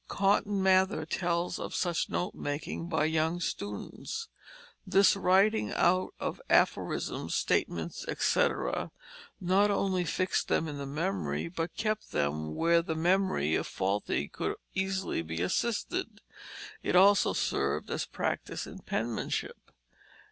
Cotton Mather tells of such note making by young students. This writing out of aphorisms, statements, etc., not only fixed them in the memory, but kept them where the memory, if faulty, could easily be assisted. It also served as practice in penmanship.